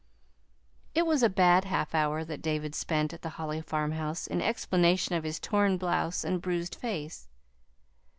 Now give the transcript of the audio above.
It was a bad half hour that David spent at the Holly farmhouse in explanation of his torn blouse and bruised face.